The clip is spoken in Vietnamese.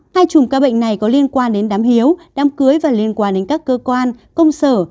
hai chùm ca bệnh này có liên quan đến đám hiếu đám cưới và liên quan đến các cơ quan công sở